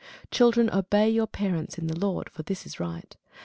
Children, obey your parents in the Lord: for this is right.